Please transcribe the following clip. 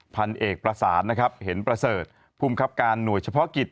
พันเอกประสานนะครับเห็นประเสริฐภูมิครับการหน่วยเฉพาะกิจ